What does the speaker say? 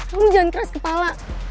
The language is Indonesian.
kamu jangan keras kepala